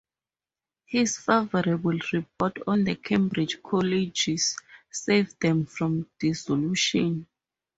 His favorable report on the Cambridge colleges saved them from dissolution.